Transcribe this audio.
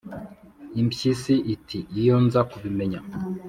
Impyisi iti: "Iyo nza kubimenya!"